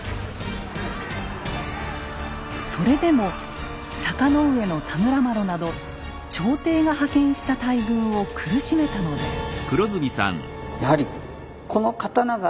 それでも坂上田村麻呂など朝廷が派遣した大軍を苦しめたのです。